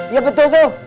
ya betul tuh